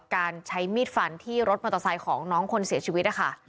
การใช้มีดฟันที่รถมอเตอร์ไซค์ของน้องคนเสียชีวิตนะคะ